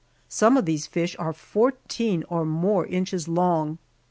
Some of these fish are fourteen or more inches long.